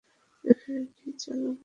ওখানে নিয়ে চল আমাকে।